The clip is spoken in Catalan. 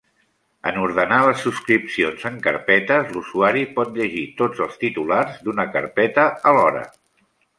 En ordenar les subscripcions en carpetes, l'usuari pot llegir tots els titulars d'una carpeta alhora.